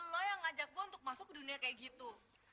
lo yang ngajak gue untuk masuk ke dunia kayak gitu